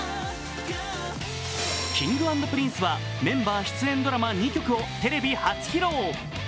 Ｋｉｎｇ＆Ｐｒｉｎｃｅはメンバー出演ドラマ２曲をテレビ初披露。